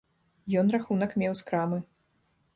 Ён рахунак меў з крамы.